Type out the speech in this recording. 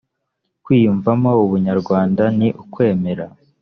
kwiyumvamo ubunyarwanda ni ukwemera